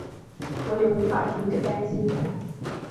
我也无法停止担心